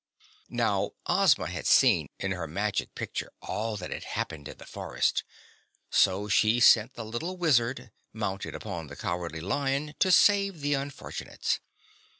Now, Ozma had seen in her Magic Picture all that had happened in the forest, so she sent the little Wizard, mounted upon the Cowardly Lion, to save the unfortunates.